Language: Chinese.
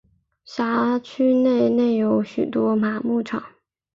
辖区内内有许多马牧场。